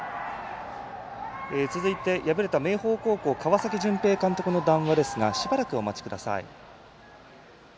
続いて、敗れた明豊高校川崎絢平監督の談話ですがしばらくお待ちください。